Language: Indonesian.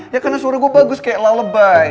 ya karena suara gue bagus kayak lalabai